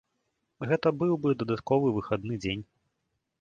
Гэта быў бы дадатковы выхадны дзень.